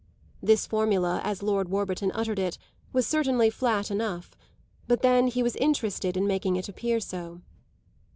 This formula, as Lord Warburton uttered it, was certainly flat enough; but then he was interested in making it appear so.